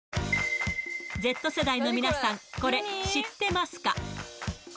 Ｚ世代の皆さん、これ、知ってますか？